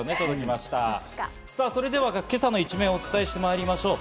それでは今朝の一面をお伝えしてまいりましょう。